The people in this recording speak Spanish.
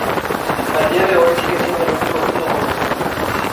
A día de hoy sigue siendo el único equipo conocido.